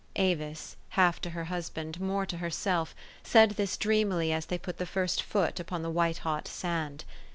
Avis, half to her husband, more to herself, said this dreamily as they put the first foot upon the white hot sand.